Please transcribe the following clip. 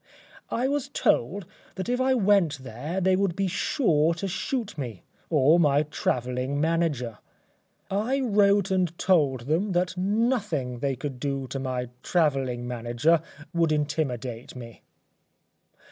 I was told that if I went there they would be sure to shoot me or my travelling manager. I wrote and told them that nothing that they could do to my travelling manager would intimidate me.